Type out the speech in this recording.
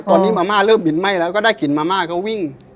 ตอนนี้มาม่าเริ่มบินไหม้แล้วก็ได้กลิ่นมาม่าเขาวิ่ง